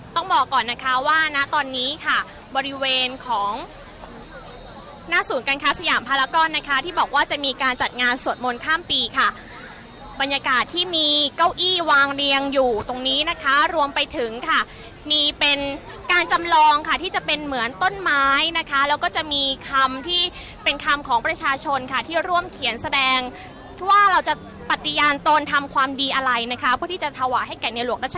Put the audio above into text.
ต้องบอกก่อนนะคะว่าณตอนนี้ค่ะบริเวณของหน้าศูนย์การค้าสยามภารกรนะคะที่บอกว่าจะมีการจัดงานสวดมนต์ข้ามปีค่ะบรรยากาศที่มีเก้าอี้วางเรียงอยู่ตรงนี้นะคะรวมไปถึงค่ะมีเป็นการจำลองค่ะที่จะเป็นเหมือนต้นไม้นะคะแล้วก็จะมีคำที่เป็นคำของประชาชนค่ะที่ร่วมเขียนแสดงว่าเราจะปฏิญาณตนทำความดีอะไรนะคะเพื่อที่จะถวายให้แก่ในหลวงรัช